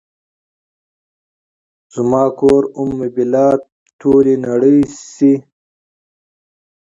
زما کور ام البلاد ، ټولې نړۍ شي